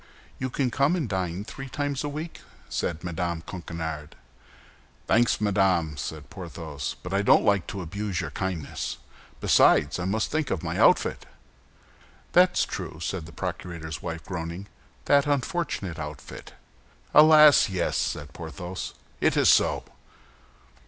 "You can come and dine three times a week," said Mme. Coquenard. "Thanks, madame!" said Porthos, "but I don't like to abuse your kindness; besides, I must think of my outfit!" "That's true," said the procurator's wife, groaning, "that unfortunate outfit!" "Alas, yes," said Porthos, "it is so."